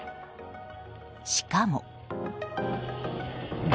しかも。